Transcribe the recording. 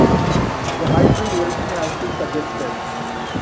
A hybrid origin has been suggested.